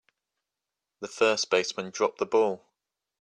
The first baseman dropped the ball.